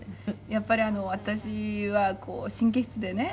やっぱり私は神経質でね